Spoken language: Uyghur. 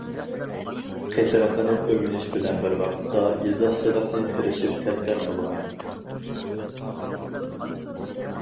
قېتىرقىنىپ ئۆگىنىش بىلەن بىر ۋاقىتتا، يېزىقچىلىقنى تىرىشىپ تەتقىق قىلغان.